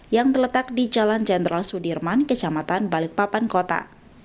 yang terletak di jalan jenderal sudirman kecamatan balikpapan kota